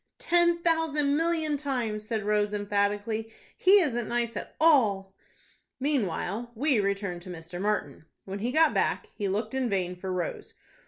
"Ten thousand million times," said Rose, emphatically. "He isn't nice at all." Meanwhile we return to Mr. Martin. When he got back, he looked in vain for Rose.